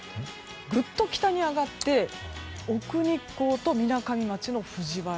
ぐっと北に上がって奥日光とみなかみ町の藤原。